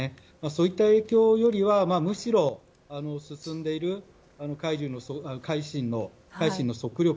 そういった影響よりは、むしろ進んでいる、「海進」の速力。